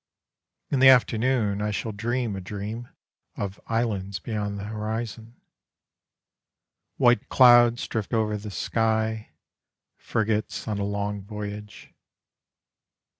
In the afternoon I shall dream a dream Of islands beyond the horizon. White clouds drift over the sky, Frigates on a long voyage.